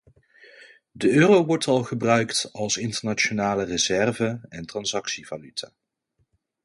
De euro wordt al gebruikt als internationale reserve- en transactievaluta.